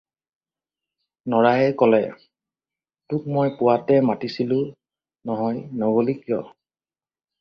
নৰায়ে ক'লে- "তোক মই পুৱাতে মাতিছিলোঁ নহয়, নগলি কিয়?"